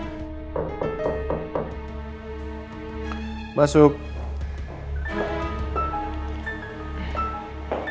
tapi gua harus hargai juga kebetulan dia ya